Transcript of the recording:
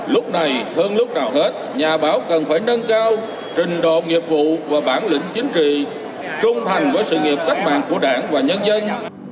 lúc này hơn lúc nào hết nhà báo cần phải nâng cao trình độ nghiệp vụ và bản lĩnh chính trị trung hành với sự nghiệp cách mạng của đảng và nhân dân